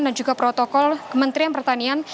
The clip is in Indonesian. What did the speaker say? dan juga protokol kementerian pertanian